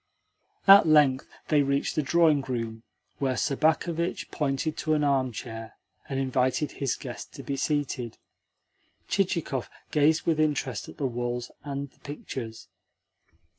At length they reached the drawing room, where Sobakevitch pointed to an armchair, and invited his guest to be seated. Chichikov gazed with interest at the walls and the pictures.